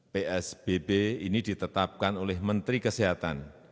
psbb ini ditetapkan oleh menteri kesehatan